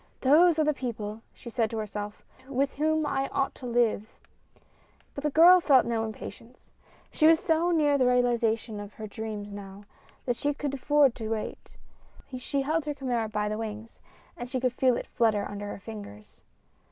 "Those are the people," she said to herself, "with whom I ought to live." But the girl felt no impatience. She was so near the realization of her dreams now, that she could afford to wait. She held her chimera by the wings and she could feel it flutter under her fingers.